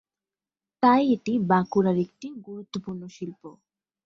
তাই এটি বাঁকুড়ার একটি গুরুত্বপূর্ণ শিল্প।